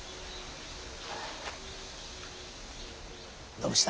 どうした。